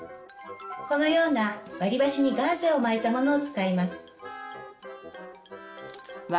このような割り箸にガーゼを巻いたものを使います。